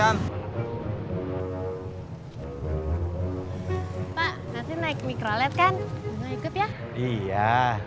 saya mau tanya